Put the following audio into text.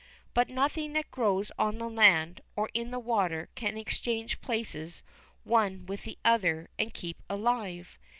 But nothing that grows on the land, or in the water, can exchange places one with the other and keep alive.